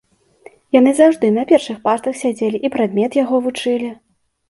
Яны заўжды на першых партах сядзелі і прадмет яго вучылі.